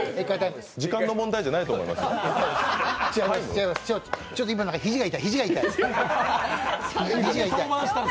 時間の問題じゃないと思いますよタイム？